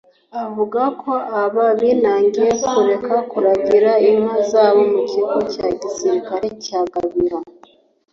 avuga ko aba binangiye kureka kuragira inka zabo mu kigo cya Gisirikare cya Gabiro